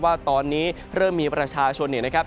ว่าตอนนี้เริ่มมีประชาชนเนี่ยนะครับ